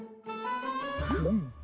フム。